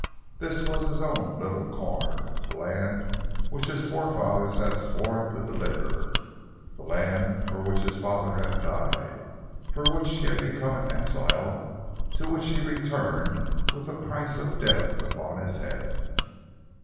This was his own little corner, the land which his forefathers had sworn to deliver, the land for which his father had died, for which he had become an exile, to which he returned with the price of death upon his head.